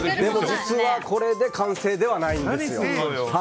実はこれで完成ではないんですよ。